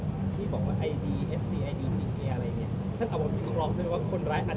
หมอบรรยาหมอบรรยา